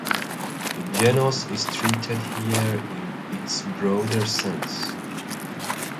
The genus is treated here in its broader sense.